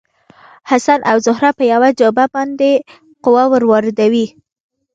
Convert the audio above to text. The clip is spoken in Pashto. حسن او زهره په یوه جعبه باندې قوه واردوي.